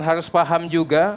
harus paham juga